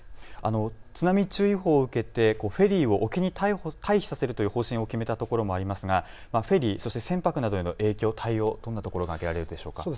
津波注意報を受けてフェリーを沖に退避させるという方針を決めたところもありますがフェリー、そして船舶などへの影響、対応、どんなところが挙げられますか？